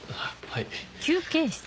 はい。